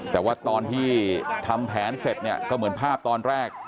แต่ว่าตอนที่ทำแผนเสร็จเนี่ยก็เหมือนภาพตอนแรก